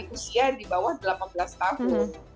usia di bawah delapan belas tahun